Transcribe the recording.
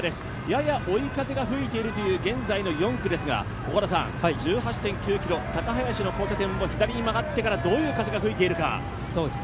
やや追い風が吹いているという現在の４区ですが、１８．９ｋｍ、高林の交差点を左に曲がってから、どんな風が吹いているか。